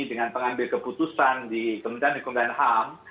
dengan pengambil keputusan di kementerian hukuman ham